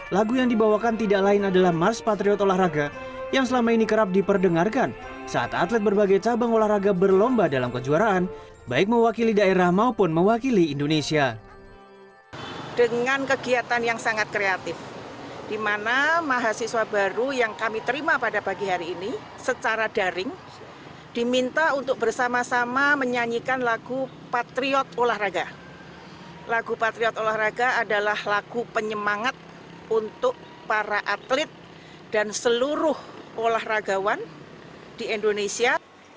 lagu patriot olahraga adalah lagu penyemangat untuk para atlet dan seluruh olahragawan di indonesia